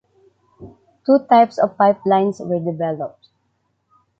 Two types of pipelines were developed.